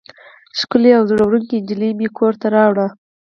ښکلې او زړه وړونکې نجلۍ مې کور ته راوړه.